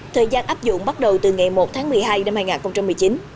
thời gian áp dụng bắt đầu từ ngày một tháng một mươi hai năm hai nghìn một mươi chín